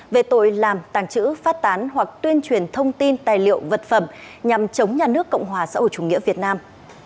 về tội làm tàng trữ phát tán hoặc tuyên truyền thông tin tài liệu vật phẩm nhằm chống nhà nước cộng hòa xã hội chủ nghĩa việt nam